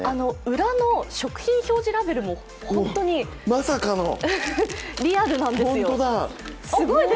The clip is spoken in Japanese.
裏の食品表示ラベルもホントにリアルなんですよ。